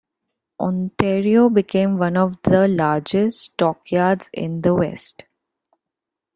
Ontario became one of the largest stockyards in the West.